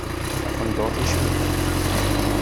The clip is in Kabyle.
D taqenduṛt icebḥen.